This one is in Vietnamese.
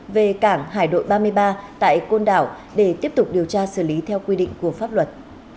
về cảng hải đội ba mươi ba tại côn đảo để tiếp tục điều tra xử lý theo quy định của pháp luật